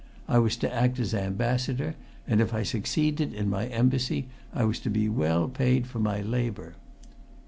I was to act as ambassador, and if I succeeded in my embassy I was to be well paid for my labour."